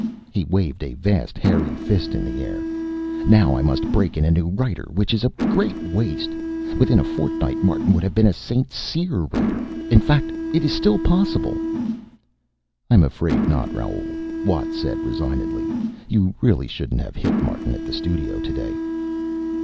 He waved a vast, hairy fist in the air. "Now I must break in a new writer, which is a great waste. Within a fortnight Martin would have been a St. Cyr writer. In fact, it is still possible." "I'm afraid not, Raoul," Watt said resignedly. "You really shouldn't have hit Martin at the studio today."